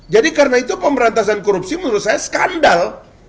jadi karena itu pemberantasan korupsi menurut saya skandal